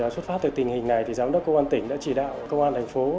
xuất phát từ tình hình này giám đốc cơ quan tỉnh đã chỉ đạo cơ quan thành phố